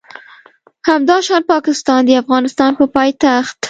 همداشان پاکستان د افغانستان په پایتخت